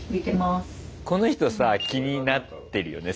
この人さ気になってるよね